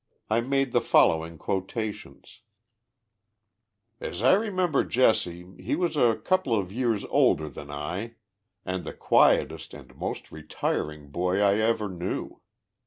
I made the following quotations : "As I remember Jesse, lie was a couple of years older than I, and the quietest and most retiring boy I ever knew.